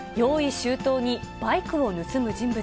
周到にバイクを盗む人物。